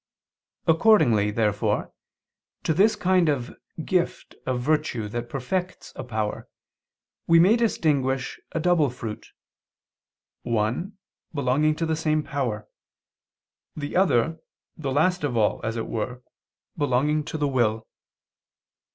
Accordingly, therefore, to this kind of gift of virtue that perfects a power, we may distinguish a double fruit: one, belonging to the same power; the other, the last of all as it were, belonging to the will.